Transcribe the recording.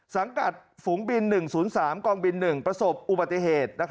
สังกัดฝูงบิน๑๐๓กองบิน๑ประสบอุบัติเหตุ